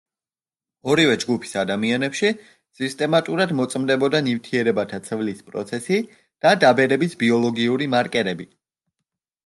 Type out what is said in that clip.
ორივე ჯგუფის ადამიანებში სისტემატურად მოწმდებოდა ნივთიერებათა ცვლის პროცესი და დაბერების ბიოლოგიური მარკერები.